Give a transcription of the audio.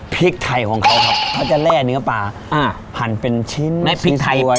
พริกไทยของเขาครับเขาจะแร่เนื้อปลาอ่าหั่นเป็นชิ้นและพริกไทยไว้